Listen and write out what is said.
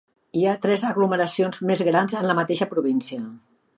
Hi ha tres aglomeracions més grans en la mateixa província.